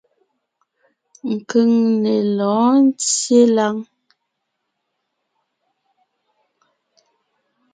Keŋne lɔ̌ɔn ńtyê láŋ.